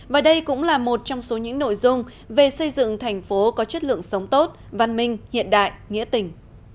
và đây cũng là một trong số những nội dung về xây dựng thành phố có chất lượng sống tốt văn minh hiện đại nghĩa tình